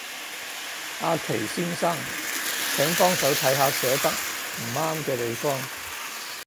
阿祁先生，請幫手睇下寫得唔啱嘅地方